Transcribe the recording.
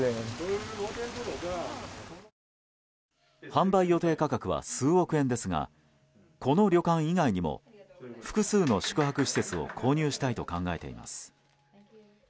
販売予定価格は数億円ですがこの旅館以外にも複数の宿泊施設を購入したいと考えています。